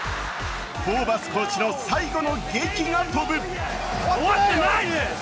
ホーバスコーチのげきが飛ぶ。